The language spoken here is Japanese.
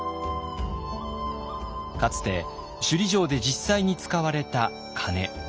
かつて首里城で実際に使われた鐘。